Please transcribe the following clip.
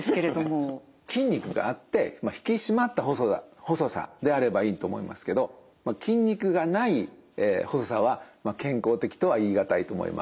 筋肉があって引き締まった細さであればいいと思いますけど筋肉がない細さは健康的とは言いがたいと思います。